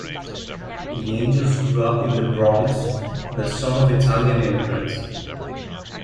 De Angelis grew up in the Bronx, the son of Italian immigrants.